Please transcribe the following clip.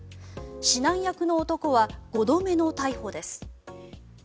指南役の男は５度目の逮捕です。